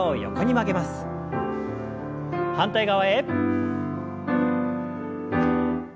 反対側へ。